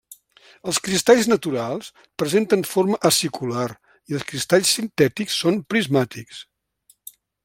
Els cristalls naturals presenten forma acicular i els cristalls sintètics són prismàtics.